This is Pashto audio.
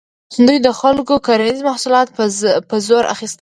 دوی د خلکو کرنیز محصولات په زور اخیستل.